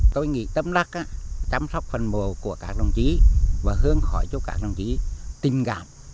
tôi nghĩ tấm lắc chăm sóc phần mộ của các đồng chí và hương khói cho các đồng chí tình cảm